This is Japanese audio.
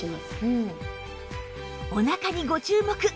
おなかにご注目！